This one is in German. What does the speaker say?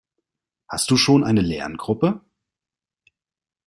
Hast du schon eine Lerngruppe?